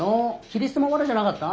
キリストも藁じゃなかった？